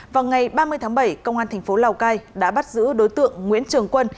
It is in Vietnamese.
vào ngày ba mươi tháng bảy công an thành phố lào cai đã bắt giữ đối tượng nguyễn trường quân